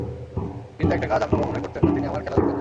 কিন্তু একটা কাজ আম্মা কখনোই করতেন না, তিনি আমার খেলা দেখতেন না।